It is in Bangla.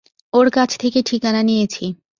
ওর কাছ থেকে ঠিকানা নিয়েছি।